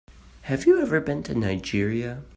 Have you ever been to Nigeria?